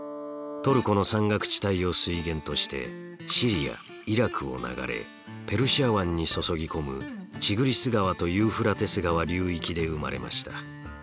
トルコの山岳地帯を水源としてシリアイラクを流れペルシャ湾に注ぎ込むティグリス川とユーフラテス川流域で生まれました。